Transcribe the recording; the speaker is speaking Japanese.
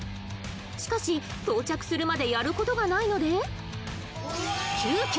しかし到着するまでやる事がないので急きょ